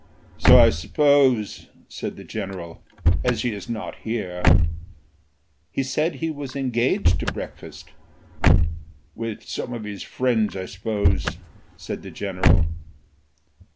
"So I suppose," said the general, "as he is not here." "He said he was engaged to breakfast." "With some of his friends, I suppose," said the general.